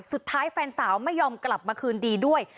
สุดท้ายแฟนสาวไม่ยอมกลับมาคืนดีด้วย